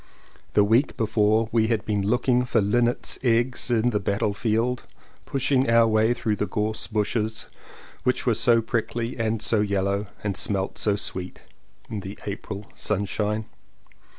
The week before we had been looking for linnets' eggs in the battle field, pushing our way through the gorse bushes which were so prickly, and so yellow, and smelt so sweet in the April sunshine.